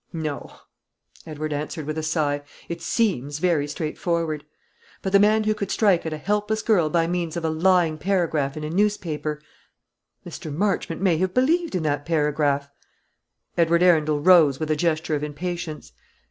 "No," Edward answered, with a sigh; "it seems very straightforward. But the man who could strike at a helpless girl by means of a lying paragraph in a newspaper " "Mr. Marchmont may have believed in that paragraph." Edward Arundel rose, with a gesture of impatience.